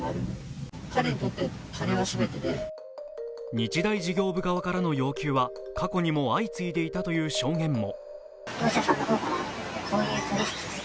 日大事業部側からの要求は過去にも相次いでいたとの証言も。